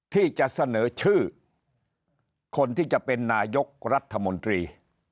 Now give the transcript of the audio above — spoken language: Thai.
ที่จะเสนอชื่อคนที่จะเป็นนายกรัฐมนตรี